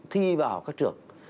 thi vào các trường